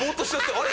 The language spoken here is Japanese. あれ？